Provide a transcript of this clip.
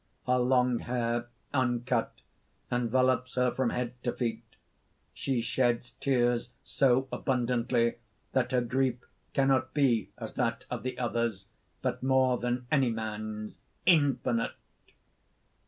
Her long hair, uncut, envelopes her from head to feet. She sheds tears so abundantly that her grief cannot be as that of the others, but more than human infinite!